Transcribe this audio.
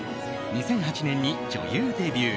２００８年に女優デビュー。